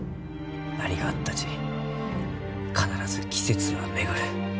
何があったち必ず季節は巡る。